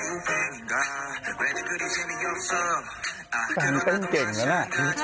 เออเอาจริงนะ